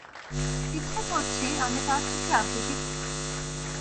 ইচ্ছে করছি আমি তার থেকে আবৃত্তি করি।